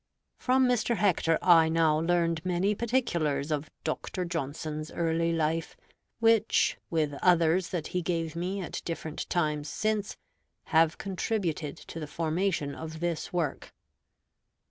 From Mr. Hector I now learned many particulars of Dr. Johnson's early life, which, with others that he gave me at different times since, have contributed to the formation of this work.